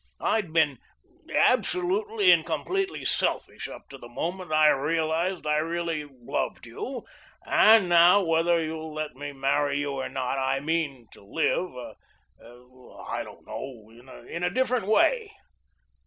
I'd been absolutely and completely selfish up to the moment I realised I really loved you, and now, whether you'll let me marry you or not, I mean to live I don't know, in a different way.